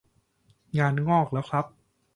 งานงอกแล้วครับ